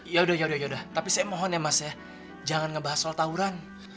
ya udah yaudah tapi saya mohon ya mas ya jangan ngebahas soal tawuran